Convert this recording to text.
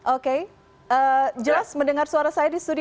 oke jelas mendengar suara saya di studio